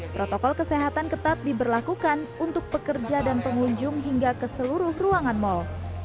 protokol kesehatan ketat diberlakukan untuk pekerja dan pengunjung hingga ke seluruh ruangan mal